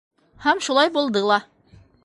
Һәм шулай булды ла.